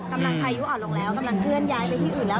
พายุอ่อนลงแล้วกำลังเคลื่อนย้ายไปที่อื่นแล้ว